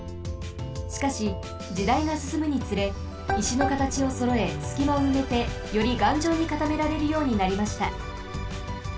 しかし時代がすすむにつれいしのかたちをそろえすきまをうめてよりがんじょうにかためられるようになりました。